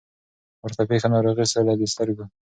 ورته پېښه ناروغي سوله د سترګو